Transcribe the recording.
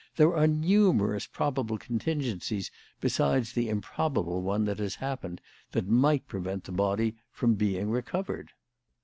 There are numerous probable contingencies besides the improbable one that has happened, that might prevent the body from being recovered.